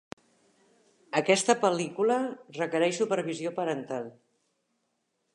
Aquesta pel·lícula requereix supervisió parental.